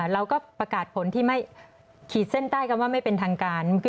เราก็ประกาศผลที่ไม่ขีดเส้นใต้คำว่าไม่เป็นทางการ